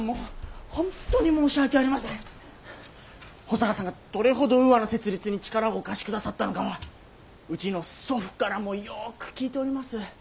保坂さんがどれほどウーアの設立に力をお貸しくださったのかはうちの祖父からもよく聞いております。